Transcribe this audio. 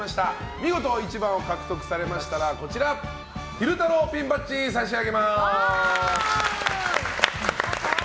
見事１番を獲得されましたら昼太郎ピンバッジを差し上げます。